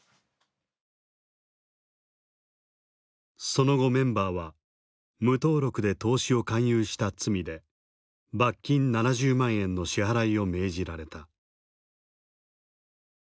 その後メンバーは無登録で投資を勧誘した罪で罰金７０万円の支払いを命じられた。